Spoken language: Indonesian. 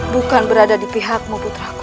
bukan berada di pihakmu putraku